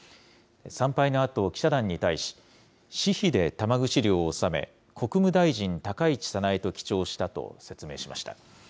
参拝のあと、記者団に対し、私費で玉串料を納め、国務大臣高市早苗と記帳したと説明しました。